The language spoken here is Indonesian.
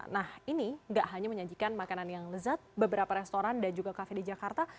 nah ini nggak hanya menyajikan makanan yang lezat beberapa restoran dan juga kafe di jakarta